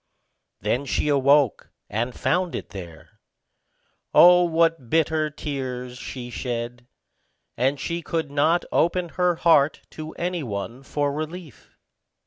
Then she awoke, and found it there. Oh, what bitter tears she shed! and she could not open her heart to any one for relief.